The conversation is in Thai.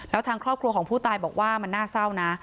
แล้วทางครอบครัวของผู้ตายบอกว่ามันน่าเศร้านะ